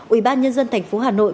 ủy ban nhân dân thành phố hà nội